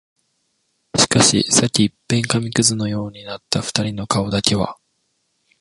しかし、さっき一片紙屑のようになった二人の顔だけは、